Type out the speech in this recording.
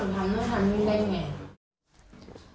ทำงานได้เล่นไง